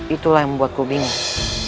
itulah yang membuatku bingung